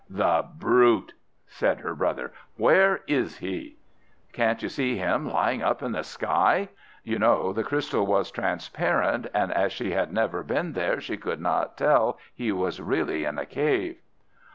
"The brute!" said her brother. "Where is he?" "Can't you see him, lying up in the sky?" You know the crystal was transparent, and as she had never been there she could not tell he was really in a cave.